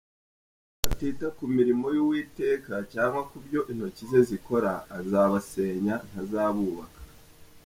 Kuko batita ku mirimo y’Uwiteka, Cyangwa ku byo intoki ze zikora, Azabasenya ntazabubaka.